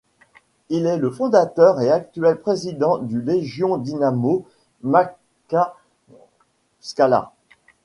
Il est le fondateur et actuel président du Legion-Dinamo Makhatchkala.